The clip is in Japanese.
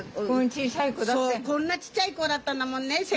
そうこんなちっちゃい子だったんだもんね。